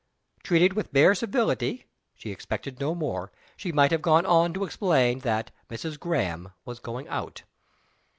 Treated with bare civility (she expected no more), she might have gone on to explain that "Mrs. Graham" was going out.